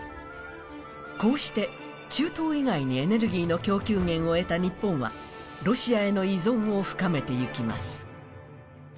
こうして中東以外にエネルギーの供給源を得た日本はロシアへの依存を深めていきます。